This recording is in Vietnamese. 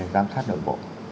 giám sát nội bộ